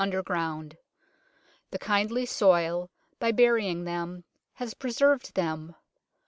underground. The kindly soil by bury ing them has preserved them.